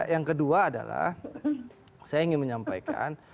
yang kedua adalah saya ingin menyampaikan